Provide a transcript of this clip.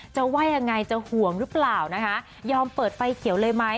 ว่ายังไงจะห่วงหรือเปล่านะคะยอมเปิดไฟเขียวเลยไหม